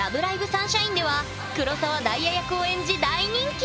サンシャイン！！」では黒澤ダイヤ役を演じ大人気！